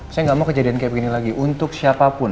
saya nggak mau kejadian kayak begini lagi untuk siapapun